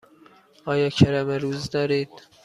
آیا کرم روز دارید؟